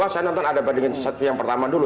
saya nonton ada peringan cinta satu yang pertama dulu